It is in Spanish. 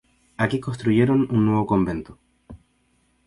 Aquí construyeron un nuevo convento.